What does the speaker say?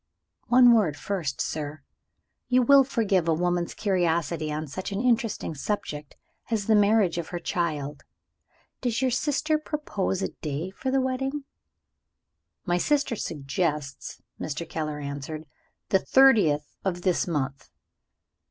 "One word first, sir. You will forgive a woman's curiosity on such an interesting subject as the marriage of her child. Does your sister propose a day for the wedding?" "My sister suggests," Mr. Keller answered, "the thirtieth of this month."